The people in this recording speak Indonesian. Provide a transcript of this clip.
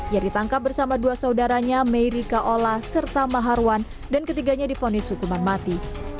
ia ditangkap bersama dua saudaranya meiri kaola serta ma harwan dan ketiganya difonis hukuman mati